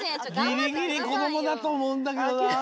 ギリギリこどもだとおもうんだけどな。